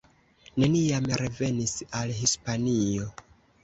Neniam revenis al Hispanio.